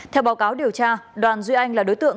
theo báo cáo điều tra đoàn duy anh là đối tượng